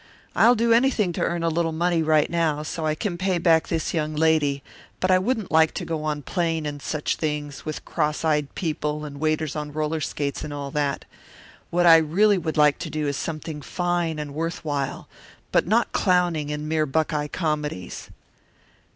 I'll do anything to earn a little money right now so I can pay back this young lady, but I wouldn't like to go on playing in such things, with cross eyed people and waiters on roller skates, and all that. What I really would like to do is something fine and worth while, but not clowning in mere Buckeye comedies."